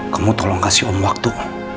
kamu tolong kasih om waktu